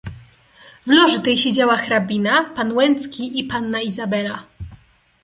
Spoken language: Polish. "W loży tej siedziała hrabina, pan Łęcki i panna Izabela."